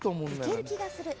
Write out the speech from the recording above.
いける気がする。